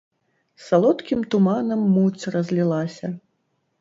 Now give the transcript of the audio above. Салодкім туманам муць разлілася.